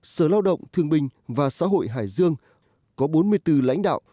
sở lao động thương binh và xã hội hải dương có bốn mươi bốn lãnh đạo